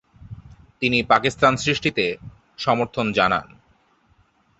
তিনি পাকিস্তান সৃষ্টিতে সমর্থন জানান।